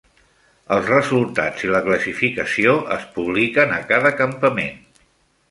Els resultats i la classificació es publiquen a cada campament.